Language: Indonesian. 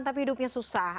tapi hidupnya susah